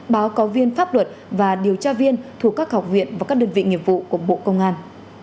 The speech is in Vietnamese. báo cáo viên pháp luật và điều tra viên thuộc các học viện và các đơn vị nghiệp vụ của bộ công an